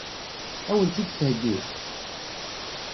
Ad wen-tt-id-theggi?